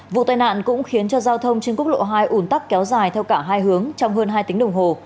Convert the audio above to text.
vụ tai nạn cũng khiến cho giao thông trên quốc lộ hai ủn tắc kéo dài theo cả hai hướng trong hơn hai tiếng đồng hồ